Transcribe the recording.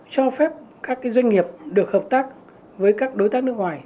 cho phép các doanh nghiệp được hợp tác với các đối tác nước ngoài